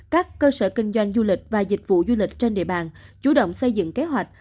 các cơ sở kinh doanh du lịch và dịch vụ du lịch trên địa bàn chủ động xây dựng kế hoạch